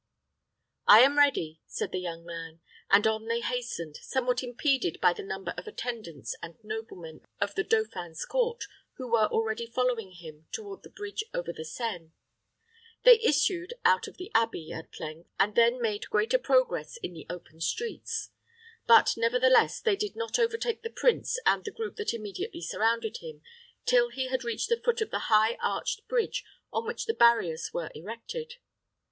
"I am ready," said the young man; and on they hastened, somewhat impeded by the number of attendants and noblemen of the dauphin's court, who were already following him toward the bridge over the Seine. They issued out of the abbey, at length, and then made greater progress in the open streets. But, nevertheless, they did not overtake the prince and the group that immediately surrounded him, till he had reached the foot of the high arched bridge on which the barriers were erected.